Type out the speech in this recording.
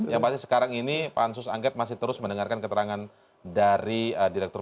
yang pasti sekarang ini pansus angket masih terus mendengarkan keterangan dari direktur